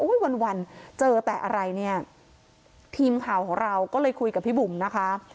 วันวันเจอแต่อะไรเนี่ยทีมข่าวของเราก็เลยคุยกับพี่บุ๋มนะคะ